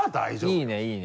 あぁいいねいいね。